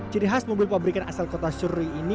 ciri khas mobil pabrikan asal kota suri ini